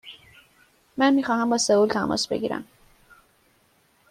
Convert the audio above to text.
من می خواهم با سئول تماس بگیرم.